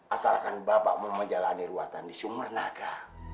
asalkan bapak mau menjalani ruatan di sumur naga